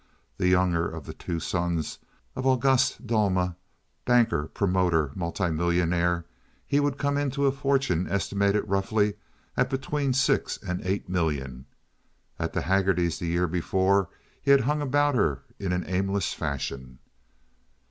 The younger of the two sons of Auguste Duelma, banker, promoter, multimillionaire, he would come into a fortune estimated roughly at between six and eight millions. At the Haggertys' the year before he had hung about her in an aimless fashion.